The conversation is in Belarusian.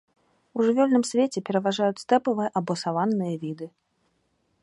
У жывёльным свеце пераважаюць стэпавыя або саванныя віды.